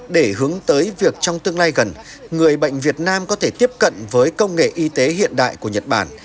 để hướng tới việc trong tương lai gần người bệnh việt nam có thể tiếp cận với công nghệ y tế hiện đại của nhật bản